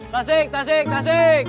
tasik tasik tasik